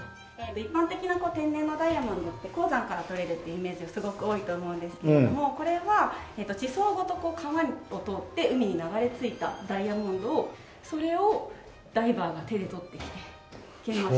一般的な天然のダイヤモンドって鉱山から採れるっていうイメージがすごく多いと思うんですけれどもこれは地層ごと川を通って海に流れ着いたダイヤモンドをそれをダイバーが手で採ってきて研磨して。